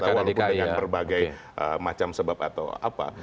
walaupun dengan berbagai macam sebab atau apa